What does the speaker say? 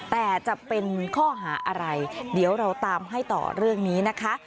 แต่จะเป็นข้อหาอะไรเดี๋ยวเราตามให้ต่อเรื่องนี้นะคะ